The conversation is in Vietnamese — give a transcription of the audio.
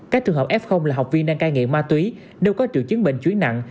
các trường hợp f là học viên đang cai nghiện ma túy đều có triệu chiến bệnh chuyến nặng